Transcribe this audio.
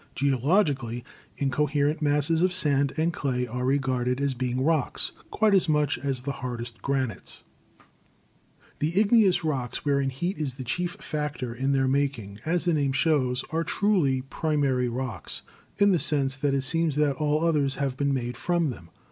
Geologically, incoherent masses of sand and clay are regarded as being rocks quite as much as the hardest granites. 158 STRUCTURAL GEOLOGY 159 The Igneous Rocks, wherein heat is the chief factor in their making, as the name shows, are truly primary rocks, in the sense that it seems that all other have been made from them.